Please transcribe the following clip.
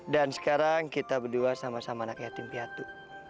dan sekarang kita berdua sama sama anak yatim piatu